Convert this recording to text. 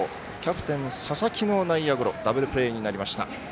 キャプテン、佐々木の内野ゴロダブルプレーになりました。